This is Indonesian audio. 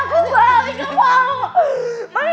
aku enggak mau mami